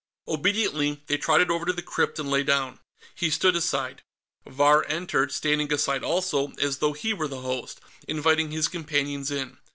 Obediently, they trotted over to the crypt and lay down. He stood aside; Vahr entered, standing aside also, as though he were the host, inviting his companions in.